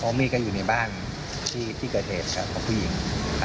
เพราะมีการอยู่ในบ้านที่เกิดเหตุของผู้หญิง